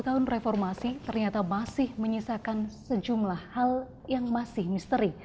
dua puluh tahun reformasi ternyata masih menyisakan sejumlah hal yang masih misteri